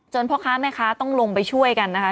พ่อค้าแม่ค้าต้องลงไปช่วยกันนะคะ